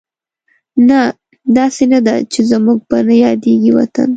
نه، داسې نه ده چې زموږ به نه یادېږي وطن